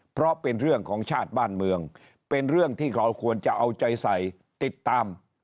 เพราะเป็นเรื่องของชาติบ้านเมืองเป็นเรื่องที่เราควรจะเอาใจใส่ติดตาม